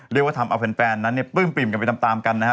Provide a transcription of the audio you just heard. เรียกว่าทำเอาแฟนนั้นเนี่ยปลื้มปริ่มกันไปตามกันนะครับ